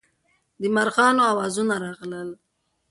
د مارغانو اوازونه راغلل.